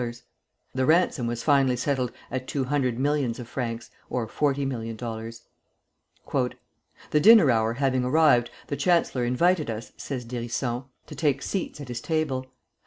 The ransom was finally settled at two hundred millions of francs ($40,000,000). "The dinner hour having arrived, the chancellor invited us," says d'Hérisson, "to take seats at his table.